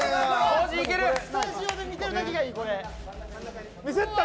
スタジオで見てるだけがいい。